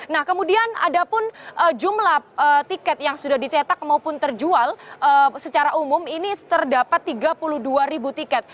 nah kemudian ada pun jumlah tiket yang sudah dicetak maupun terjual secara umum ini terdapat tiga puluh dua ribu tiket